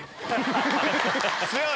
強い！